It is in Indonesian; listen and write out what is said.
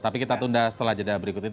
tapi kita tunda setelah jeda berikutnya